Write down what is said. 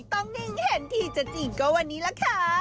ต้องนิ่งเห็นทีจะจริงก็วันนี้ล่ะค่ะ